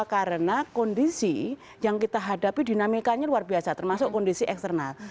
karena kondisi yang kita hadapi dinamikanya luar biasa termasuk kondisi eksternal